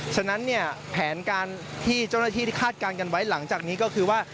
ฉะนั้นเนี่ยแผนการที่เจ้าหน้าที่ที่คาดการณ์กันไว้หลังจากนี้ก็คือว่า